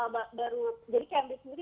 baru jadi cambridge sendiri